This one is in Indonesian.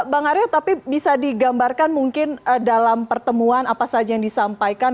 bang arya tapi bisa digambarkan mungkin dalam pertemuan apa saja yang disampaikan